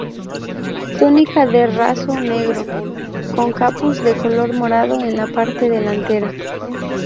Túnica de raso negro, con capuz de color morado en la parte delantera.